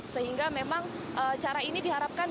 sehingga memang cara ini diharapkan